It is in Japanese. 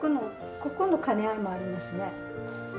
ここの兼ね合いもありますね。